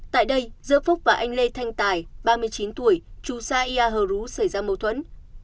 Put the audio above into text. tại đây giữa phúc và anh lê thanh tài ba mươi chín tuổi chú xa ia hờ rú xảy ra mâu thuẫn